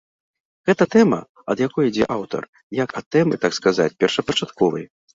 Гэта тэма, ад якое ідзе аўтар, як ад тэмы, так сказаць, першапачатковай.